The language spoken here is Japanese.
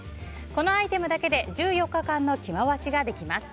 このアイテムだけで１４日間の着回しができます。